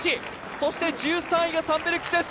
そして１３位がサンベルクスです。